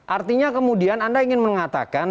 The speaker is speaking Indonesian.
artinya kemudian anda ingin mengatakan